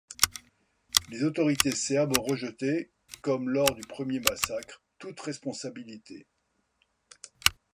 Les autorités serbes ont rejeté, comme lors du premier massacre, toute responsabilité.